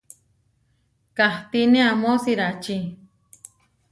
Kahtíne amó siráči.